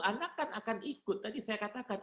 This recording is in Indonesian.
anak kan akan ikut tadi saya katakan